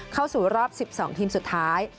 เข้าสู่รอบ๑๒ทีมสุดท้าย